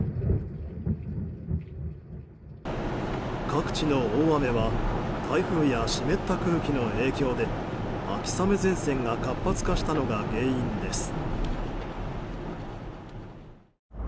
各地の大雨は台風や湿った空気の影響で秋雨前線が活発化したのが原因です。